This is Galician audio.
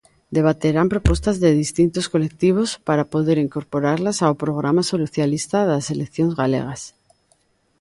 Debaterán propostas de distintos colectivos, para poder incorporalas ao programa socialista das eleccións galegas.